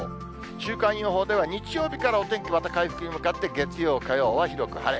週間予報では日曜日からお天気、また回復に向かって、月曜、火曜は広く晴れ。